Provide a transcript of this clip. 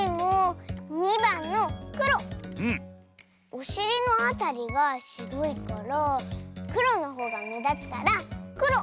おしりのあたりがしろいからくろのほうがめだつからくろ！